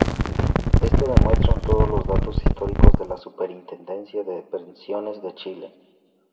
Esto demuestran todos los datos históricos de la Superintendencia de Pensiones de Chile.